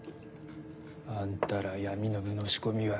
あんたら闇乃武の仕込みは。